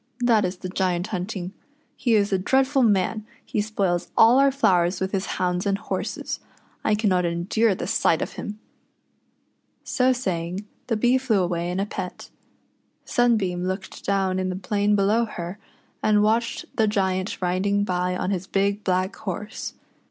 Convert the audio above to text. that is the Giant hunting. He is a dreadful man — he spoils all our flowers with his hounds and horses. I cannot endure the sight of him." So saying, the Bee flew away in a pet. Sunbeam looked down in the plain below her, and watched the Giant riding by on his big black horse.